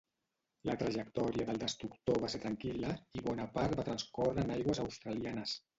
La trajectòria del destructor va ser tranquil·la i bona part va transcórrer en aigües australianes.